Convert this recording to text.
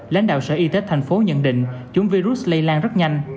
lãnh đạo sở y tế tp hcm nhận định chúng virus lây lan rất nhanh